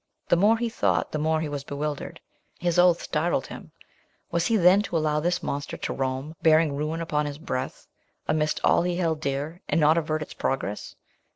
The more he thought, the more he was bewildered. His oath startled him; was he then to allow this monster to roam, bearing ruin upon his breath, amidst all he held dear, and not avert its progress?